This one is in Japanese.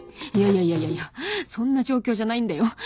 いやいやいやそんな状況じゃないんだよ